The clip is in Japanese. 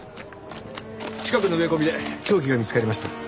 近くの植え込みで凶器が見つかりました。